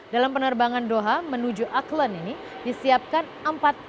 dalam penerbangan doha menuju auckland ini disiapkan empat pilot dan lima belas pramugari atau pramugara